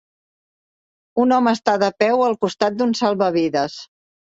Un home està de peu al costat d'un salvavides.